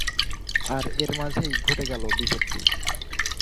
আর এর মাঝেই ঘটে গেল বিপত্তি।